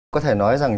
có thể nói rằng